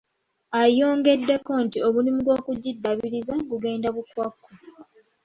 Ayongeddeko nti omulimu gw'okugiddaabiriza gugenda bukwakku.